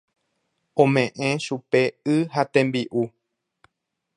Ome'ẽ chupe y ha tembi'u.